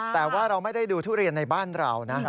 แต่ว่าเราไม่ได้ดูทุเรียนในบ้านเรานะ